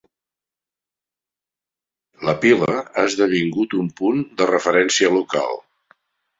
La pila ha esdevingut un punt de referència local.